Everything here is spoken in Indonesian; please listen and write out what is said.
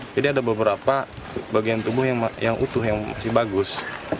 jadi ada beberapa bagian tubuh yang utuh yang masih bagus